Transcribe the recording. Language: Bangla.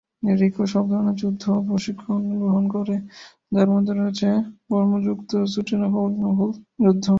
রিকো সব ধরনের যুদ্ধ প্রশিক্ষণ গ্রহণ করে, যার মধ্যে রয়েছে বর্মযুক্ত স্যুটে নকল যুদ্ধ।